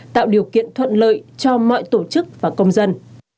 tạo điều kiện thuận lợi cho mọi tổ chức và công dân